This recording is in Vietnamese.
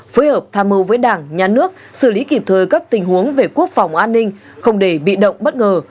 phối hợp tham mưu với đảng nhà nước xử lý kịp thời các tình huống về quốc phòng an ninh không để bị động bất ngờ